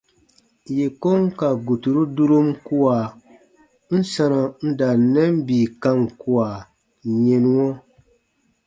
Yè kon ka guturu durom kua, n sanɔ n da n nɛn bii kam kua yɛnuɔ.